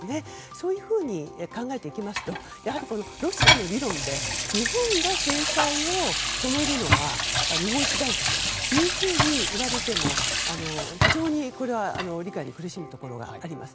そういうふうに考えていきますとやはりロシアの理論で日本が制裁を止めるのは日本次第だというふうに言われても、非常に理解に苦しむところがあります。